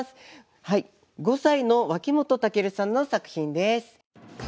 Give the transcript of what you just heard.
５歳の脇本武さんの作品です。